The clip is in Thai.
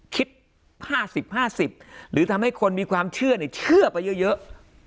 คิดห้าสิบห้าสิบหรือทำให้คนมีความเชื่อในเชื่อไปเยอะเยอะ